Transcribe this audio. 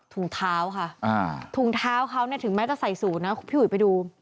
ถุงเท้าค่ะถุงเท้าเขาเนี่ยถึงแม้จะใส่สูตรนะพี่อุ๋ยไปดู